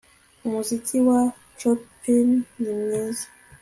Umuziki wa Chopin ni mwiza